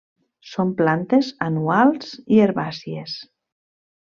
Són plantes anuals i herbàcies.